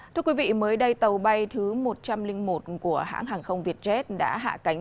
thưa quý vị mới đây tàu bay thứ một trăm linh một của hãng hàng không vietjet đã hạ cánh